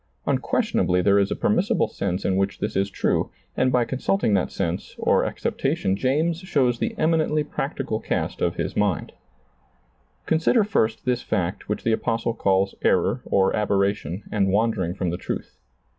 Unquestion ably there is a permissible sense in which this is true, and by consulting that sense or acceptation ^lailizccbvGoOgle THE VALUE OF THE SOUL 123 James shows the eminently practical cast of his mind. Consider first this fact which the Apostle calls error or aberration and wandering from the truth.